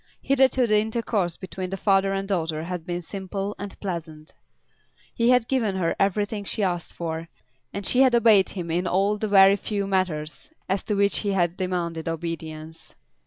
Hitherto the intercourse between the father and daughter had been simple and pleasant. He had given her everything she asked for, and she had obeyed him in all the very few matters as to which he had demanded obedience.